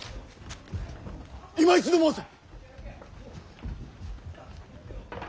いま一度申せ！